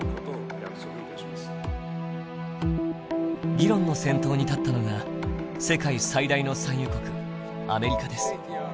議論の先頭に立ったのが世界最大の産油国アメリカです。